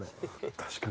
確かに。